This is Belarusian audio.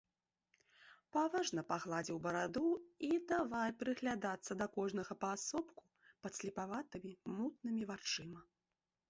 Паважна пагладзіў бараду і давай прыглядацца да кожнага паасобку падслепаватымі мутнымі вачыма.